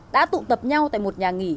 đã tụ tập nhau tại một nhà nghỉ